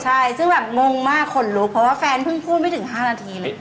ใช่ซึ่งแบบงงมากขนลุกเพราะว่าแฟนเพิ่งพูดไม่ถึง๕นาทีเลย